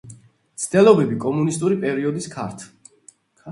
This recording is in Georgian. მცდელობები კომუნისტური პერიოდის ქართ.